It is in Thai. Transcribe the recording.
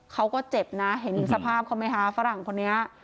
เขาก็เจ็บนะเห็นสภาพเขาไหมคะฝรั่งคนนี้